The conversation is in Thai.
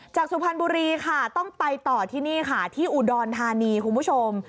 สุพรรณบุรีค่ะต้องไปต่อที่นี่ค่ะที่อุดรธานีคุณผู้ชม